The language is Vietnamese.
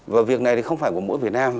và việc này thì không phải của mỗi việt nam